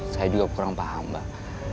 saya juga kurang paham mbak